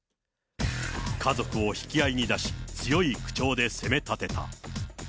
家族を引き合いに出し、強い口調で責め立てた。